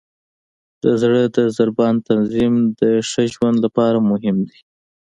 د زړه د ضربان تنظیم د ښه ژوند لپاره مهم دی.